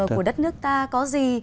của đất nước ta có gì